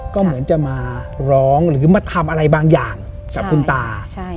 ก็เหมือนจะมาร้องหรือมาทำอะไรบางอย่างกับคุณตา